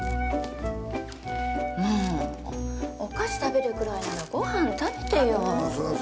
もう、お菓子食べるくらいならごはん食べてよ。